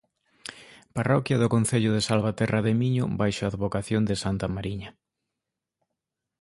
Parroquia do concello de Salvaterra de Miño baixo a advocación de santa Mariña.